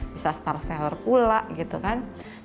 bisa star seller pula gitu kan